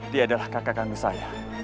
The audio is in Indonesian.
dia adalah kakak kandung saya